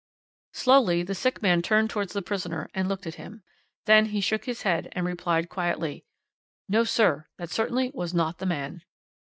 "Slowly the sick man turned towards the prisoner and looked at him; then he shook his head and replied quietly: "'No, sir, that certainly was not the man.'